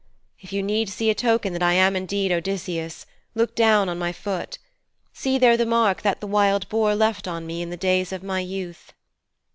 If you need see a token that I am indeed Odysseus, look down on my foot. See there the mark that the wild boar left on me in the days of my youth.'